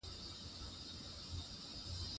د مېلو له لاري خلک د خپل کلتور مختلف اړخونه زده کوي.